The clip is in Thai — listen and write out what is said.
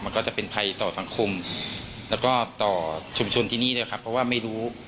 มันก็จะเป็นภัยต่อสังคมแล้วก็ต่อชุมชนที่นี่ด้วยครับเพราะว่าไม่รู้